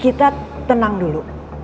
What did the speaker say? kita tenang dulu